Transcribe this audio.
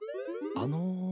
あの。